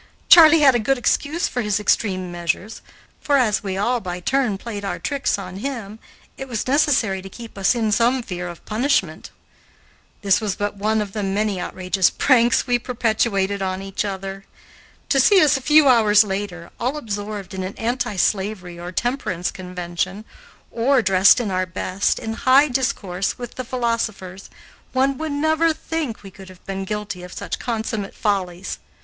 Charley had a good excuse for his extreme measures, for, as we all by turn played our tricks on him, it was necessary to keep us in some fear of punishment. This was but one of the many outrageous pranks we perpetrated on each other. To see us a few hours later, all absorbed in an anti slavery or temperance convention, or dressed in our best, in high discourse with the philosophers, one would never think we could have been guilty of such consummate follies.